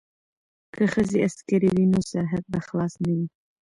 که ښځې عسکرې وي نو سرحد به خلاص نه وي.